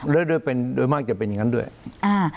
แล้วด้วยเป็นโดยมากจะเป็นอย่างงั้นด้วยอ่า